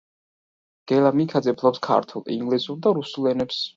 გელა მიქაძე ფლობს ქართულ, ინგლისურ და რუსულ ენებს.